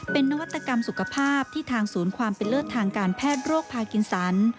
เป็นนวัตกรรมสุขภาพที่ทางศูนย์ความเป็นเลิศทางการแพทย์โรคพากินสัน